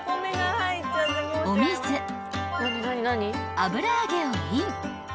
お水油揚げをイン］